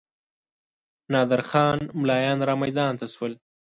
نادر خان ملایان رامیدان ته شول.